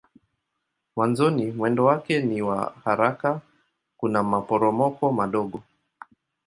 Mwanzoni mwendo wake ni wa haraka kuna maporomoko madogo.